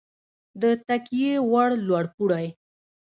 د تکیې وړ لوړ پوړی